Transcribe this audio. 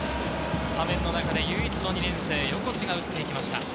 スタメンの中で唯一の２年生・横地が打っていきました。